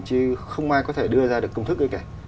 chứ không ai có thể đưa ra được công thức ấy kìa